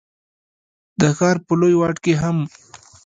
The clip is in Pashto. د ښار په لوی واټ کي هم،